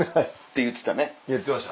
言ってました。